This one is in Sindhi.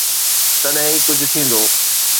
تڏهن ئي ڪجهه ٿيندو.